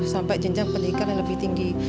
sampai jenjang pendidikan yang lebih tinggi